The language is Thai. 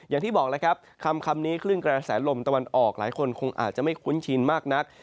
อย่างที่บอกแล้วครับคำนี้คลื่นกระแสลมตะวันออกหลายคนคงอาจจะไม่คุ้นชินมากนัก